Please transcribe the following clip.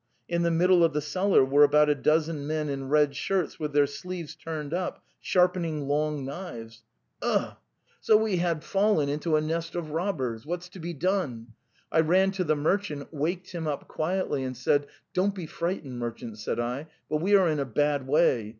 In the middle of the cellar were about a dozen men in red shirts with their sleeves turned up, sharpening long knives. ... Ugh! So we had The Steppe 249 fallen into a nest of robbers. ... What's to be done? I rantothe merchant, waked him up quietly, and said: ' Don't be frightened, merchant,' said I, 'but we are in a bad way.